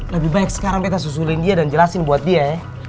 lebih baik sekarang kita susulin dia dan jelasin buat dia ya